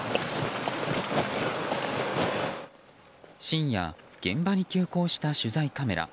深夜、現場に急行した取材カメラ。